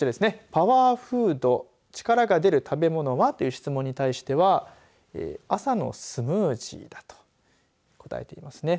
パワーフード力が出る食べ物は？という質問に対しては朝のスムージーだと答えていますね。